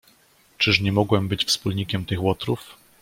"Czyż nie mogłem być wspólnikiem tych łotrów?"